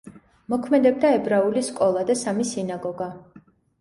მოქმედებდა ებრაული სკოლა და სამი სინაგოგა.